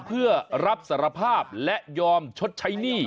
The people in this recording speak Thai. เพื่อรับสารภาพและยอมชดใช้หนี้